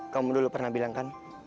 kamu dulu pernah bilang kan